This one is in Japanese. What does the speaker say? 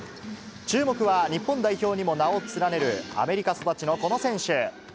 注目は日本代表にも名を連ねる、アメリカ育ちのこの選手。